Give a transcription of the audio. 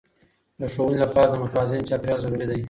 د ښوونې لپاره د متوازن چاپیریال ضروري دی.